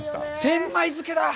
千枚漬けだ。